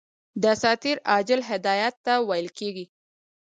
دساتیر عاجل هدایت ته ویل کیږي.